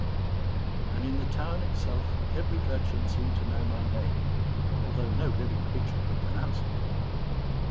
_ and in the town itself every urchin seemed to know my name, although no living creature could pronounce it.